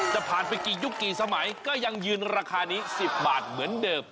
จะผ่านไปกี่ยุคกี่สมัยก็ยังยืนราคานี้๑๐บาทเหมือนเดิม